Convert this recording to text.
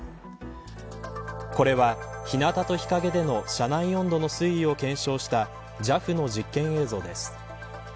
これは日なたと日陰での車内温度の推移を検証したＪＡＦの実験映像です。